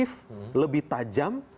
lebih komprehensif lebih tajam